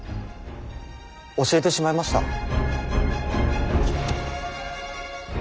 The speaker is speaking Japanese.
教えてしまいました。